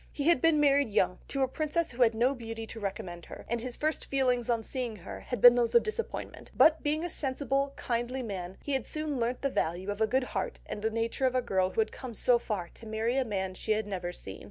He had been married young, to a princess who had no beauty to recommend her, and his first feelings on seeing her had been those of disappointment, but being a sensible, kindly man, he had soon learnt to value the good heart and nature of the girl who had come so far to marry a man she had never seen.